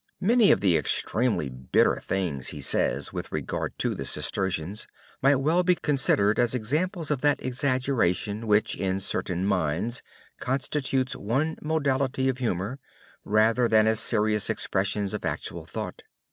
Many of the extremely bitter things he says with regard to the Cistercians might well be considered as examples of that exaggeration, which in certain minds constitutes one modality of humor, rather than as serious expressions of actual thought.